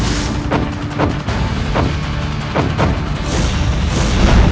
silawahi kamu mengunuh keluarga ku di pesta perjamuan